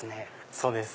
そうです。